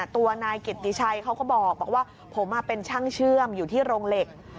ตัวนายกิตติชัยเขาก็บอกว่าผมเป็นช่างเชื่อมอยู่ที่โรงเหล็ก